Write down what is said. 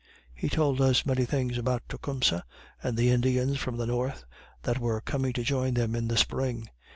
He told us many things about Tecumseh and the Indians from the north that were coming to join them in the spring.